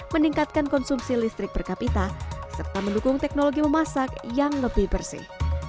meningkatkan konsumsi listrik per kapita serta mendukung teknologi memasak yang lebih bersih